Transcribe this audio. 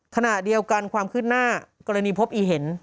ขณะเดียวกันความคืบหน้ากรณีพบอีเห็น